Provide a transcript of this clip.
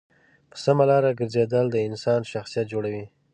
په سمه لاره گرځېدل د انسان شخصیت جوړوي.